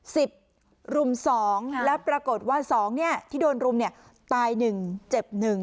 สิบรุมสองค่ะแล้วปรากฏว่าสองเนี่ยที่โดนรุมเนี่ยตายหนึ่งเจ็บหนึ่ง